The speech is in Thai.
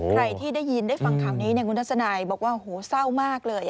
ใครที่ได้ยินได้ฟังข่าวนี้คุณทัศนัยบอกว่าโหเศร้ามากเลย